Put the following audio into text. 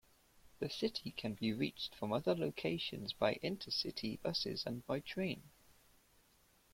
The city can be reached from other locations by inter-city buses and by train.